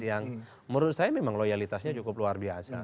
yang menurut saya memang loyalitasnya cukup luar biasa